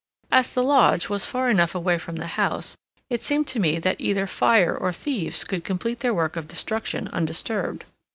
As the lodge was far enough away from the house, it seemed to me that either fire or thieves could complete their work of destruction undisturbed.